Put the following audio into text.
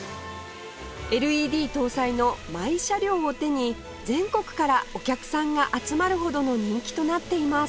ＬＥＤ 搭載のマイ車両を手に全国からお客さんが集まるほどの人気となっています